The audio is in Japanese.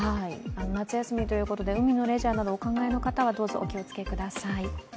夏休みということで海のレジャーなどお考えの方は、どうぞお気を付けください。